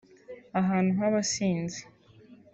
ahantu h’abasinzi